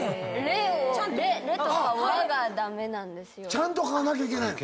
ちゃんと書かなきゃいけないの？